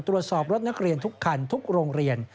ตรวจสอบรถนักเรียนทุกคันทุกโรงเรียน